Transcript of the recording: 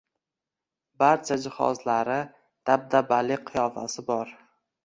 Barcha jihozlari, dabdabali qiyofasi bor.